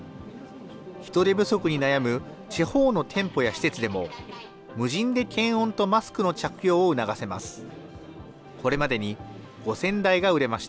人手不足に悩む地方の店舗や施設でも、無人で検温とマスクの着用を促せます。